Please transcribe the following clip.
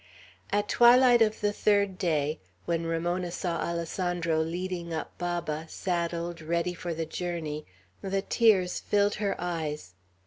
At twilight of the third day, when Ramona saw Alessandro leading up Baba, saddled ready for the journey, the tears filled her eyes.